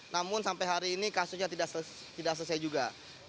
namun sampai hari ini kasusnya tidak selesai juga